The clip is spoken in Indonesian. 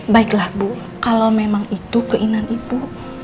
baiklah bu kalau memang itu keinginan ibu